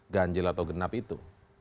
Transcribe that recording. ganjil atau genap itu